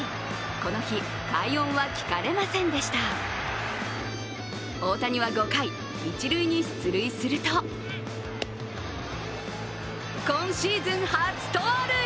この日、快音は聞かれませんでした大谷は５回、一塁に出塁すると今シーズン初盗塁。